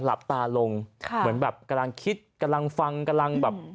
หลับตาลงค่ะเหมือนแบบกำลังคิดกำลังฟังกำลังแบบ